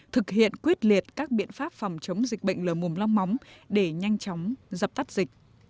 thực hiện quyết liệt các biện pháp phòng chống dịch bệnh lở mồm long móng để nhanh chóng dập tắt dịch